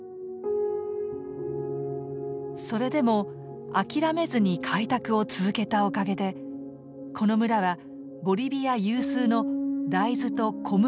それでも諦めずに開拓を続けたおかげでこの村はボリビア有数の大豆と小麦の生産地になったんだって。